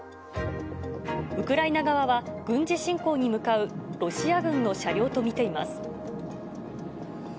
ウクライナ側は、軍事侵攻に向かうロシア軍の車両と見ています。